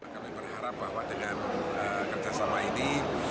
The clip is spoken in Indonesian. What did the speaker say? kami berharap bahwa dengan kerjasama ini